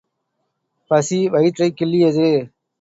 பசி வயிற்றைக் கிள்ளியது.